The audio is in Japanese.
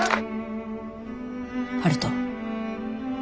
悠人。